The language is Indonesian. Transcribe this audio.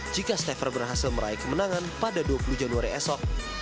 jika stefer berhasil meraih kemenangan pada dua puluh januari esok